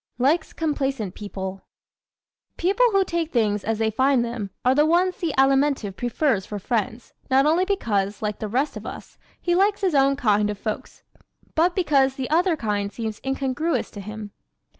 Likes Complacent People ¶ People who take things as they find them are the ones the Alimentive prefers for friends, not only because, like the rest of us, he likes his own kind of folks, but because the other kind seem incongruous to him.